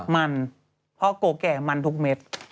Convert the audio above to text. มันเพราะโกแก่มันทุกเม็ด